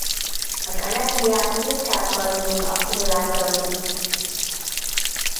Az energiát nikkel-kadmium akkumulátorok biztosították.